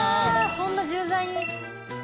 そんな重罪に。